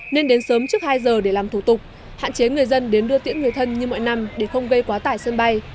nên đến sớm trước hai giờ để làm thủ tục hạn chế người dân đến đưa tiễn người thân như mọi năm để không gây quá tải sân bay